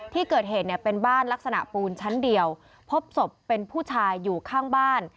ที่เกิดเหตุเนี่ยเป็นบ้านลักษณะปูนชั้นเดียวพบศพเป็นผู้ชายอยู่ข้างบ้าน